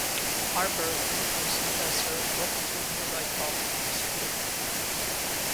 Harper, Rufus and Lester walk into a nearby fog and disappear.